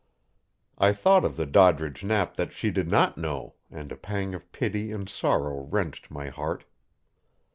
I thought of the Doddridge Knapp that she did not know, and a pang of pity and sorrow wrenched my heart.